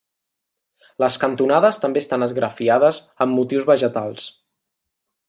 Les cantonades també estan esgrafiades amb motius vegetals.